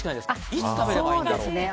いつ食べればいいんですか？